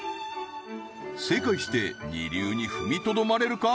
Ｂ正解して二流に踏みとどまれるか？